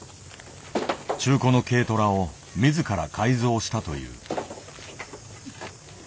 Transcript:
中古の軽トラを自ら改造したという。